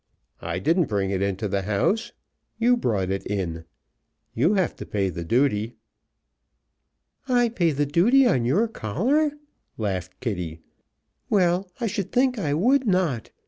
I didn't bring it into the house; you brought it in. You have to pay the duty." "I pay the duty on your collar?" laughed Kitty. "Well, I should think I would not!